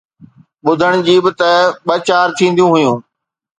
ٻُڌڻ جي به ته ٻه چار ٿينديون هيون